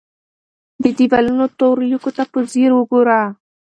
د دیوالونو تورو لیکو ته په ځیر وګوره.